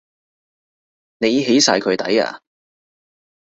你起晒佢底呀？